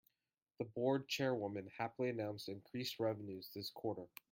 The board chairwoman happily announced increased revenues this quarter.